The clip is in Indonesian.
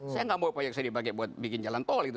saya nggak bawa pajak saya dipakai buat bikin jalan tol gitu